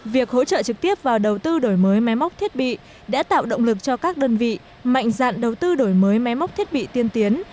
việc hỗ trợ trực tiếp vào đầu tư đổi mới máy móc thiết bị đã tạo động lực cho các đơn vị mạnh dạn đầu tư đổi mới máy móc thiết bị tiên tiến